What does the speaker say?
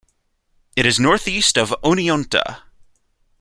It is northeast of Oneonta.